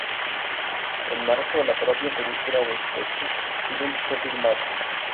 En marzo, la propia película de SechsKies, "Seventeen" fue filmada.